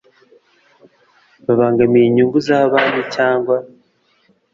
babangamiye inyungu za banki cyangwa